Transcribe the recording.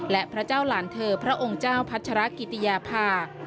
และพระเจ้าหลานเธอพระองค์เจ้าพัชรกิติยาภา